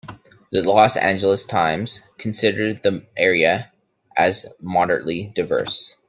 The "Los Angeles Times" considered the area as "moderately diverse".